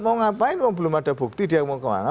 mau ngapain mau belum ada bukti dia mau kemana